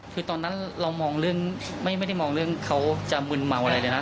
คือตอนนั้นเรามองเรื่องไม่ได้มองเรื่องเขาจะมึนเมาอะไรเลยนะ